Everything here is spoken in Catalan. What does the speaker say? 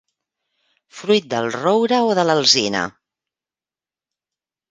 Fruit del roure o de l'alzina.